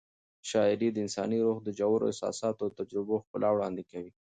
شاعري د انساني روح د ژورو احساساتو او تجربو ښکلا وړاندې کوي.